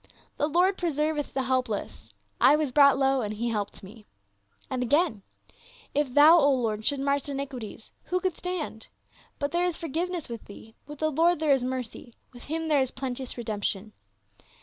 The Lord preserveth the helpless, 1 was brought low, and he helped me,' "And again, "' If thou, O Lord, shouldst mark iniquities. Who should stand? But there is forgiveness with thee. With the Lord there is mercy, With him there is plenteous redemption.'